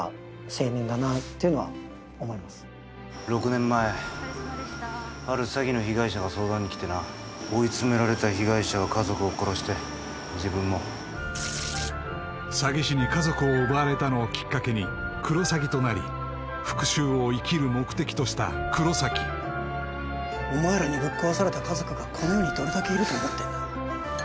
６年前ある詐欺の被害者が相談に来てな追い詰められた被害者は家族を殺して自分も詐欺師に家族を奪われたのをきっかけにクロサギとなり復讐を生きる目的とした黒崎お前らにぶっ壊された家族がこの世にどれだけいると思ってんだ